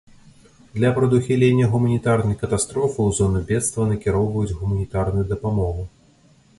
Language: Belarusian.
Для прадухілення гуманітарнай катастрофы ў зону бедства накіроўваюць гуманітарную дапамогу.